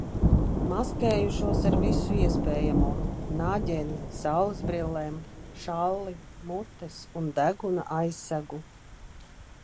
Maskējušos ar visu iespējamo - naģeni, saulesbrillēm, šalli, mutes un deguna aizsegu.